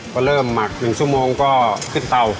พอเริ่มหมัก๑ชั่วโมงก็ขึ้นเตา